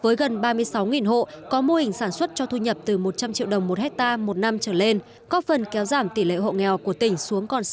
với gần ba mươi sáu hộ có mô hình sản xuất cho thu nhập từ một trăm linh triệu đồng một hectare một năm trở lên có phần kéo giảm tỷ lệ hộ nghèo của tỉnh xuống còn sáu mươi